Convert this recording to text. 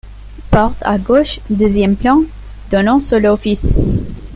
Porte à gauche, deuxième plan, donnant sur l’office.